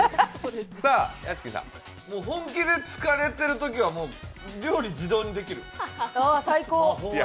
本気で疲れてるときは料理、自動でできる。